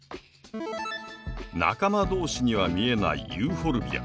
仲間同士には見えないユーフォルビア。